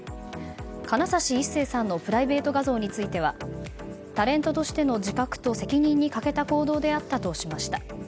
金指一世さんのプライベート画像についてはタレントとしての自覚と責任に欠けた行動であったとしました。